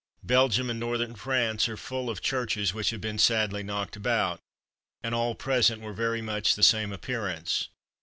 Belgium and Northern France are full of churches which have been sadly knocked about, and all present very much the same appearance.